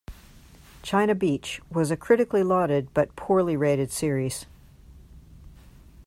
"China Beach" was a critically lauded, but poorly rated series.